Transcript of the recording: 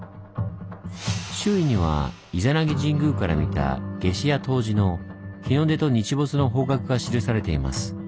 周囲には伊弉諾神宮から見た夏至や冬至の日の出と日没の方角が記されています。